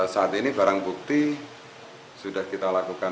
saat ini barang bukti sudah kita lakukan